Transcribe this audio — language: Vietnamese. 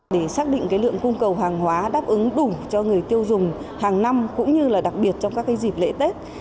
để xác định lượng cung cầu hàng hóa đáp ứng đủ cho người tiêu dùng hàng năm cũng như là đặc biệt trong các dịp lễ tết